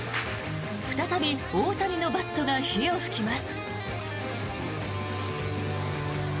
再び大谷のバットが火を噴きます。